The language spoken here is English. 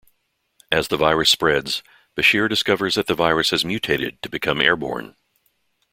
As the virus spreads, Bashir discovers that the virus has mutated to become airborne.